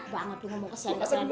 banyak lu ngomong kesian kesian